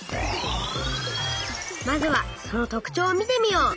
まずはその特ちょうを見てみよう。